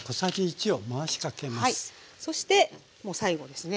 そしてもう最後ですね